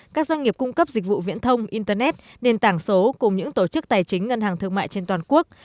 các doanh nghiệp cung cấp dịch vụ viễn thông internet nền tảng số cùng những tổ chức tài chính ngân hàng thương mại trên toàn quốc